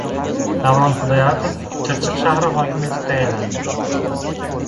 Davron Xidoyatov Chirchiq shahri hokimi etib tayinlandi